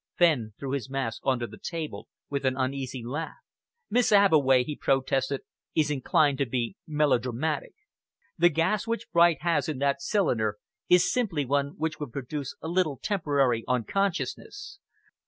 Fenn threw his mask on to the table with an uneasy laugh. "Miss Abbeway," he protested, "is inclined to be melodramatic. The gas which Bright has in that cylinder is simply one which would produce a little temporary unconsciousness.